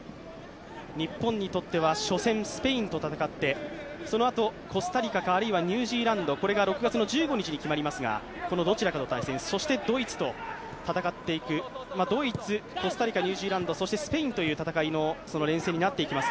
日本にとっては初戦スペインと戦ってそのあとコスタリカかあるいはニュージーランドこれが６月１５日に決まりますがこのどちらかと対戦、そしてドイツと戦っていく、ドイツ、コスタリカ、ニュージーランド、そして、スペインという戦いの連戦になっていきます